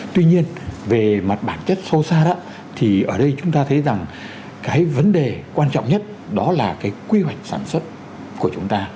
tuy nhiên về mặt bản chất sâu xa đó thì ở đây chúng ta thấy rằng cái vấn đề quan trọng nhất đó là cái quy hoạch sản xuất của chúng ta